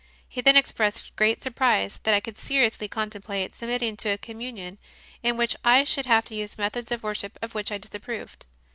He then expressed great surprise that I could seriously contemplate submit ting to a communion in which I should have to use methods of worship of which I disapproved.